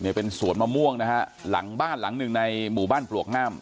เป็นสวนมะม่วงนะฮะหลังบ้านหลังหนึ่งในหมู่บ้านปลวกงาม